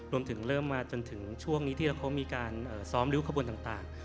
เริ่มมาจนถึงช่วงนี้ที่เขามีการซ้อมริ้วขบวนต่าง